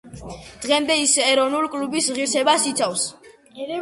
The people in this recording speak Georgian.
დღემდე ის ერევნული კლუბის ღირსებას იცავს.